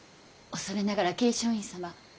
恐れながら桂昌院様。